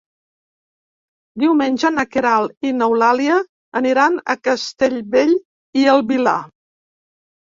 Diumenge na Queralt i n'Eulàlia aniran a Castellbell i el Vilar.